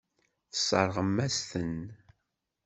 Tesseṛɣem-as-ten.